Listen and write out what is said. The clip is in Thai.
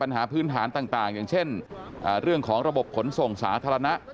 ปัญหาพื้นฐานต่างอย่างเช่นเรื่องของระบบขนส่งสาธารณะ